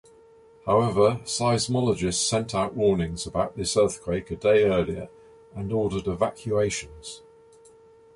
However, seismologists sent out warnings about this earthquake a day earlier and ordered evacuations.